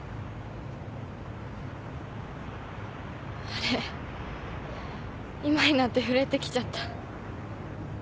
あれ今になって震えてきちゃった。